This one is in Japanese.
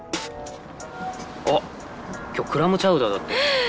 あっ今日クラムチャウダーだって。